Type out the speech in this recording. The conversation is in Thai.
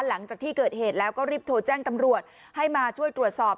หลังจากที่เกิดเหตุแล้วก็รีบโทรแจ้งตำรวจให้มาช่วยตรวจสอบ